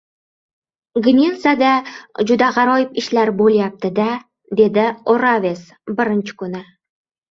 – Gnilsada juda gʻaroyib ishlar boʻlyapti-da, – dedi Oraves birinchi kuni.